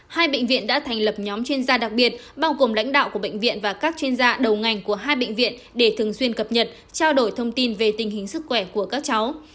hai bệnh viện đã thành lập nhóm chuyên gia đặc biệt bao gồm lãnh đạo của bệnh viện và các chuyên gia đầu ngành của hai bệnh viện để thường xuyên cập nhật trao đổi thông tin về tình hình sức khỏe của các cháu